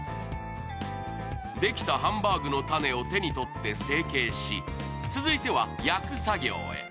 できたハンバーグのタネを手にとって成形し、続いては焼く作業へ。